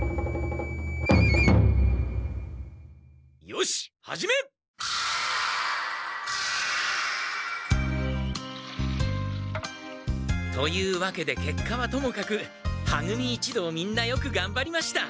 よし始め！というわけでけっかはともかくは組一同みんなよくがんばりました。